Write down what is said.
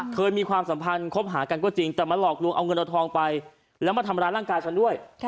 เคยมีความสัมพันธ์คบหากันก็จริงแต่มาหลอกลวงเอาเงินเอาทองไปแล้วมาทำร้ายร่างกายฉันด้วย